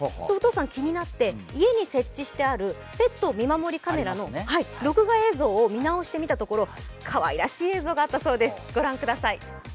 お父さん、気になって家に設置してあるペット見守りカメラの録画映像を見直してみたところかわいらしい映像があったそうです。